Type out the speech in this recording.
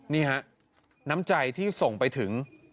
นี่ฮะน้ำใจที่ส่งไปถึง